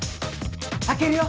開けるよ。